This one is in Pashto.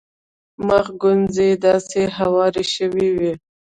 د مخ ګونځې یې داسې هوارې شوې وې.